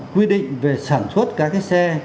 quy định về sản xuất các cái xe